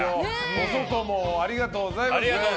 お外もありがとうございます。